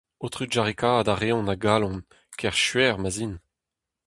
Ho trugarekaat a reont a galon, ker skuizh ma'z int !